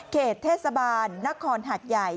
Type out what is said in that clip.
เขตเทศบาลนครหัดใหญ่